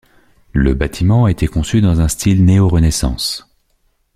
Le bâtiment a été conçu dans un style néorenaissance.